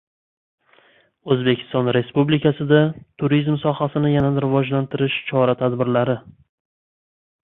O‘zbekiston Respublikasida turizm sohasini yanada rivojlantirish chora-tadbirlari